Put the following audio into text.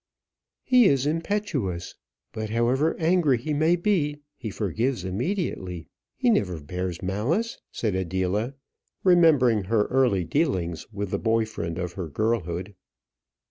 "He is impetuous; but however angry he may be, he forgives immediately. He never bears malice," said Adela, remembering her early dealings with the boy friend of her girlhood.